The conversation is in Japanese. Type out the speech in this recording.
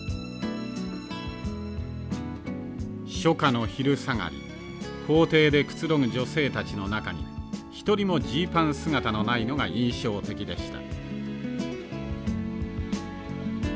初夏の昼下がり校庭でくつろぐ女性たちの中に一人もジーパン姿のないのが印象的でした。